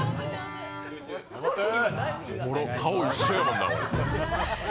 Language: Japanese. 顔一緒やもんな。